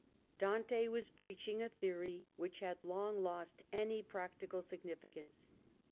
Dante was preaching a theory which had long lost any practical significance.